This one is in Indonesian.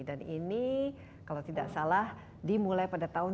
dan ini kalau tidak salah dimulai pada tahun seribu sembilan ratus sembilan puluh sembilan